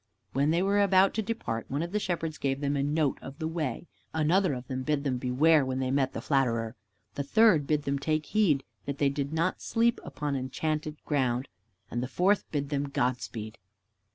When they were about to depart, one of the Shepherds gave them a note of the way. Another of them bid them beware when they met the Flatterer. The third bid them take heed that they did not sleep upon the Enchanted Ground. And the fourth bid them "Godspeed."